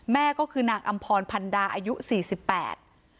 แม่ก็คือนางอำพรพันดาอายุสี่สิบแปด